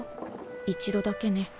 一度だけね。